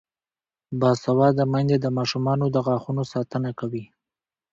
باسواده میندې د ماشومانو د غاښونو ساتنه کوي.